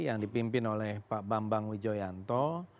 yang dipimpin oleh pak bambang wijoyanto